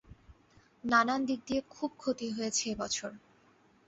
নানান দিক দিয়ে খুব ক্ষতি হয়েছে এবছর।